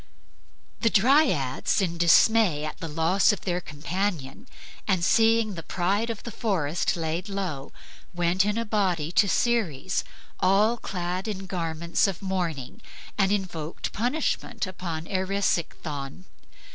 The Dryads in dismay at the loss of their companion and at seeing the pride of the forest laid low, went in a body to Ceres, all clad in garments of mourning, and invoked punishment upon Erisichthon.